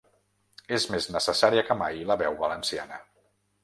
És més necessària que mai la veu valenciana.